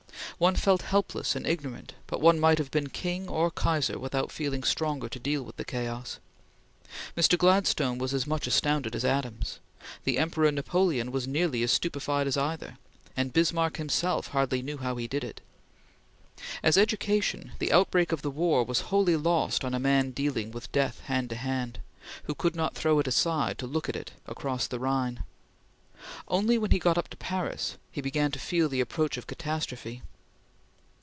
One felt helpless and ignorant, but one might have been king or kaiser without feeling stronger to deal with the chaos. Mr. Gladstone was as much astounded as Adams; the Emperor Napoleon was nearly as stupefied as either, and Bismarck: himself hardly knew how he did it. As education, the out break of the war was wholly lost on a man dealing with death hand to hand, who could not throw it aside to look at it across the Rhine. Only when he got up to Paris, he began to feel the approach of catastrophe.